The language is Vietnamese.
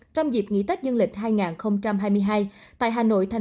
trong dịp nghỉ tết dương lịch hai nghìn hai mươi hai tại hà nội tp hcm